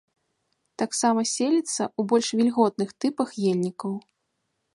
Таксама селіцца ў больш вільготных тыпах ельнікаў.